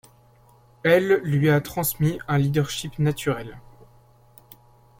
Elle lui a transmis un leadership naturel.